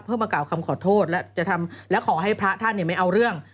เพื่อมากล่าวคำขอโทษและจะทำและขอให้พระท่านไม่เอาเรื่อง